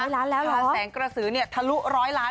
ทางแสงเกราะสือถลุ๑๐๐ล้าน